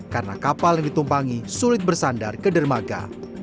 karena kapal yang ditumpangi sulit bersandar ke dermaga